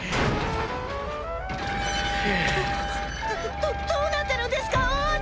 どどどどうなってるんですか王子⁉